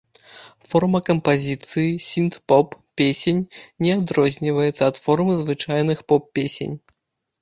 Форма кампазіцыі сінт-поп песень не адрозніваецца ад формы звычайных поп-песень.